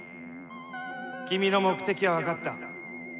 君の目的は分かった。